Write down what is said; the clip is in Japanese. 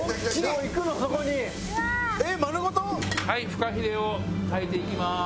フカヒレを炊いていきます。